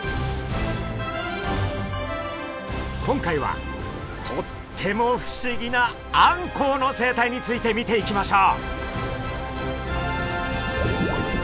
今回はとっても不思議なあんこうの生態について見ていきましょう！